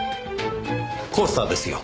コースターですよ。